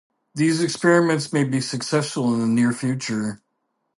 These experiments may be successful in the near future.